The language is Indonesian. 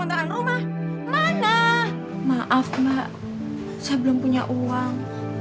saya belum punya uang